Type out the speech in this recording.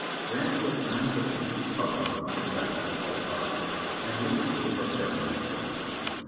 Grant took nine days to recover from the effects of Cold Har bor, and Lee was preparing to strike.